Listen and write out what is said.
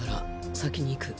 先に行く。